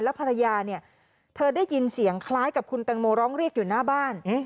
ภรรยาเนี่ยเธอได้ยินเสียงคล้ายกับคุณแตงโมร้องเรียกอยู่หน้าบ้าน